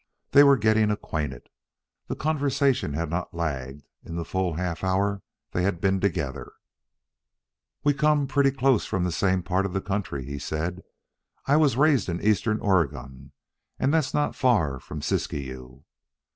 They were getting acquainted. The conversation had not lagged in the full half hour they had been together. "We come pretty close from the same part of the country," he said. "I was raised in Eastern Oregon, and that's none so far from Siskiyou."